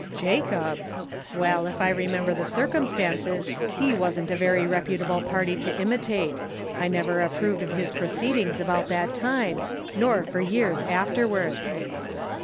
" "Jacob! well if I remember the circum stances he wasn't a very reputable party to imitate ; I never approved of his proceedings about that time, nor for years afterwards."